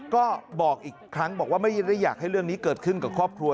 ก็บอกอีกครั้งบอกว่าไม่ได้อยากให้เรื่องนี้เกิดขึ้นกับครอบครัว